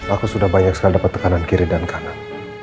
aku sudah banyak sekali dapat tekanan kiri dan kanan